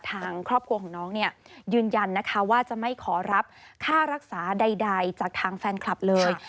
ทางครอบครัวของน้องเนี่ยยืนยันนะคะว่าจะไม่ขอรับค่ารักษาใดจากทางแฟนคลับเลย